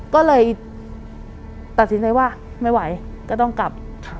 ก็เลยตัดสินใจว่าไม่ไหวก็ต้องกลับ